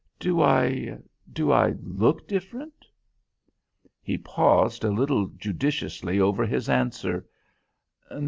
"Do I do I look different?" He paused a little judiciously over his answer.